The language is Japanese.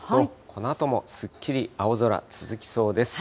このあともすっきり青空続きそうです。